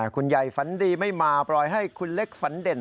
คุณยายฝันดีไม่มาปล่อยให้คุณเล็กฝันเด่น